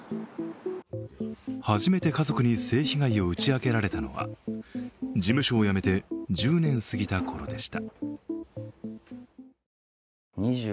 初めて家族に性被害を打ち明けられたのは事務所を辞めて１０年を過ぎたころでした。